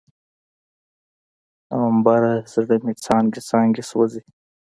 نومبره، زړه مې څانګې، څانګې سوزي